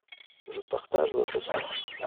Je partage votre souhait.